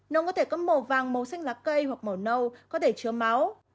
nung có thể có màu vàng màu xanh lá cây hoặc màu nâu có thể chứa máu